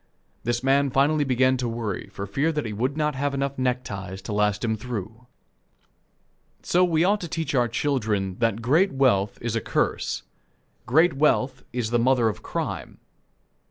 This man finally began to worry for fear he would not have enough neckties to last him through. So we ought to teach our children that great wealth is a curse. Great wealth is the mother of crime.